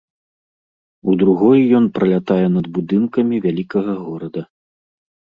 У другой ён пралятае над будынкамі вялікага горада.